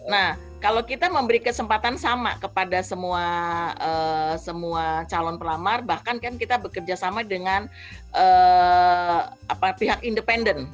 nah kalau kita memberi kesempatan sama kepada semua calon pelamar bahkan kan kita bekerja sama dengan pihak independen